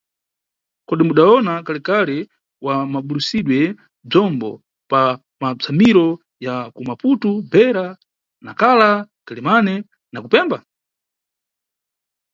Kodi mudawona kaliki-liki wa mabulusidwe bzombo pa matsamiro ya ku Maputo, Beira, Nacla, Quelimane na ku Pemba?